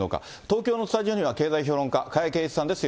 東京のスタジオには、経済評論家、加谷珪一さんです。